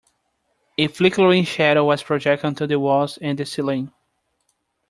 A flickering shadow was projected onto the walls and the ceiling.